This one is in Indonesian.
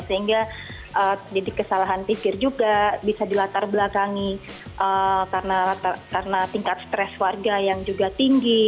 sehingga jadi kesalahan pikir juga bisa dilatar belakangi karena tingkat stres warga yang juga tinggi